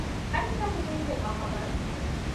އަނެއްބައިކުދިން ބަޚަބަރު